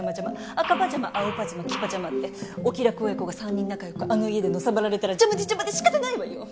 赤パジャマ青パジャマ黄パジャマってお気楽親子が３人仲良くあの家でのさばられたら邪魔で邪魔で仕方ないわよ！